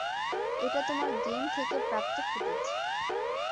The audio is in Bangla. এটা তোমার গেম থেকে প্রাপ্ত ফুটেজ।